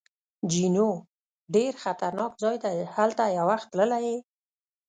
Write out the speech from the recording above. جینو: ډېر خطرناک ځای دی، هلته یو وخت تللی یې؟